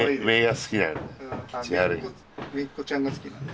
姪っ子ちゃんが好きなんだ。